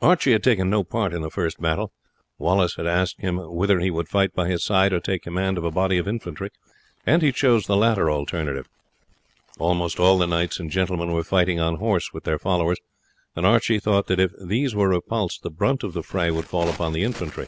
Archie had taken no part in the first battle. Wallace had asked him whether he would fight by his side or take command of a body of infantry; and he chose the latter alternative. Almost all the knights and gentlemen were fighting on horse with their followers, and Archie thought that if these were repulsed the brunt of the fray would fall upon the infantry.